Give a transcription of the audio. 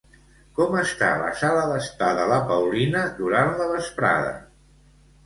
Com està la sala d'estar de la Paulina durant la vesprada?